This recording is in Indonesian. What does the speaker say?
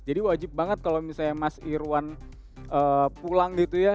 jadi wajib banget kalau misalnya mas irwan pulang gitu ya